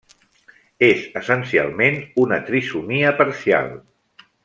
És essencialment una trisomia parcial.